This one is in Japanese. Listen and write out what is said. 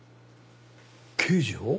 刑事を？